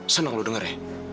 seneng lo denger ya